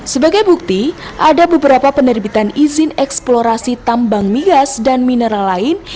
sebagai bukti ada beberapa penerbitan izin eksplorasi tambang migas dan mineral lain